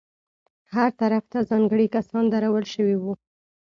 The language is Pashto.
هر طرف ته ځانګړي کسان درول شوي وو.